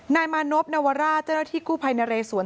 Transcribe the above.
นายมานบนวราชเจ้าหน้าที่กู้ภัยนะเรสวน